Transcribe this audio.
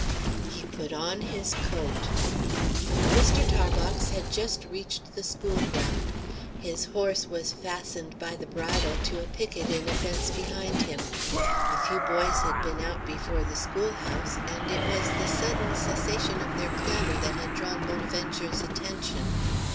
He put on his coat. Mr. Tarbox had just reached the school ground. His horse was fastened by the bridle to a picket in a fence behind him. A few boys had been out before the schoolhouse, and it was the sudden cessation of their clamor that had drawn Bonaventure's attention.